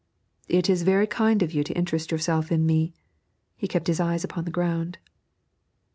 'It is very kind of you to interest yourself in me.' He kept his eyes upon the ground.